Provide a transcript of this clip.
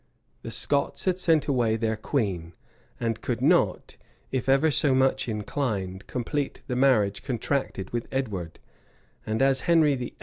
The Scots had sent away their queen; and could not, if ever so much inclined, complete the marriage contracted with Edward; and as Henry VIII.